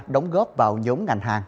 đóng góp vào nhóm ngành hàng